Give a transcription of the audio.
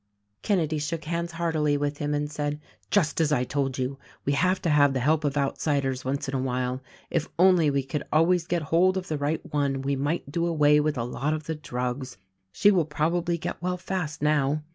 Kenedy shook hands heartily with him and said, "Just as I told you; we have to have the help of outsiders once in a while — if only we could always get hold of the right one we might do away with a lot of the drugs. She will prob ably get well fast, now.